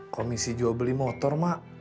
komisi jual beli motor mak